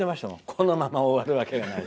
このまま終わるわけがない。